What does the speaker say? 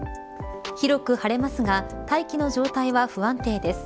広く晴れますが大気の状態は不安定です。